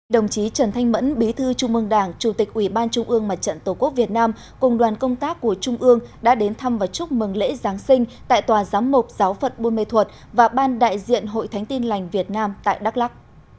đồng chí trần thanh mẫn bí thư trung mương đảng chủ tịch ủy ban trung ương mặt trận tổ quốc việt nam cùng đoàn công tác của trung ương đã đến thăm và chúc mừng lễ giáng sinh tại tòa giám mục giáo phận buôn mê thuật và ban đại diện hội thánh tin lành việt nam tại đắk lắc